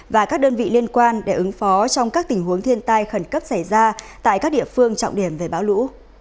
và các đơn vị liên quan để ứng phó trong các tình huống thiên tai khẩn cấp xảy ra tại các địa phương trọng điểm về bão lũ